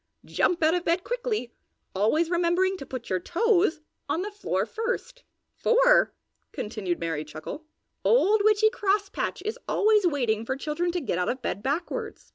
Jump out of bed quickly, always remembering to put your toes on the floor first. "For," continued Merry Chuckle, "Old Witchy Crosspatch is always waiting for children to get out of bed backwards.